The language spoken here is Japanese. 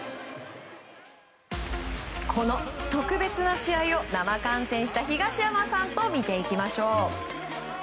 この特別な試合を生観戦した東山さんと見ていきましょう。